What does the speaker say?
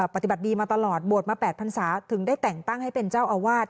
ปฏิบัติดีมาตลอดบวชมา๘พันศาถึงได้แต่งตั้งให้เป็นเจ้าอาวาส